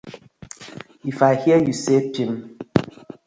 If I hear yu say pipp.